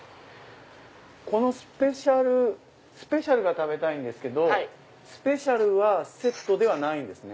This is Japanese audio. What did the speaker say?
このスペシャルが食べたいんですけどスペシャルはセットではないんですね？